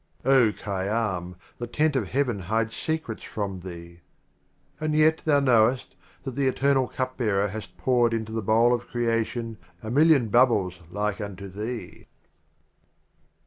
XLVI. O Khayyam, the Tent of Heaven hides Secrets from thee; And yet thou knowest That the Eternal Cup Bearer hath poured into the Bowl of Crea tion A Million Bubbles like unto thee.